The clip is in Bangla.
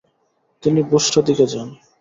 তিনি বুসরা দিকে যান।